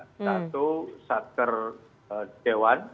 satu sakker di dewan